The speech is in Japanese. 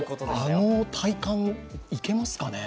あの体幹、いけますねかね。